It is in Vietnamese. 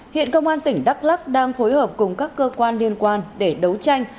hiện công an tỉnh đắk lắc đang phối hợp cùng các cơ quan liên quan để đấu tranh